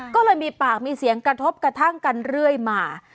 ก็เลยมีปากมีเสียงกระทบกระทั่งกันเรื่อยมา